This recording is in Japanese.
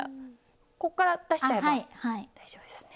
こっから出しちゃえば大丈夫ですね？